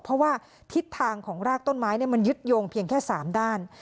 เพราะว่าทิศทางของรากต้นไม้มันยึดโยงเพียงแค่๓ด้าน